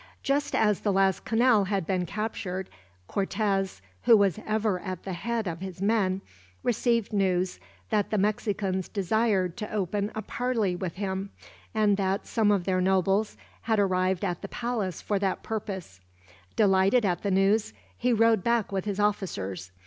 Just as the last canal had been captured, Cortez, who was ever at the head of his men, received news that the Mexicans desired to open a parley with him, and that some of their nobles had arrived at the palace for that purpose. Delighted at the news, he rode back with his officers.